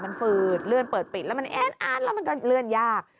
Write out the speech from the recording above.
มันฝืดเลื่อนเปิดปิดแล้วมันแอดแล้วมันก็เลื่อนยาก